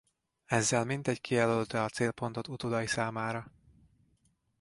Ezzel mintegy kijelölte a célpontot utódai számára.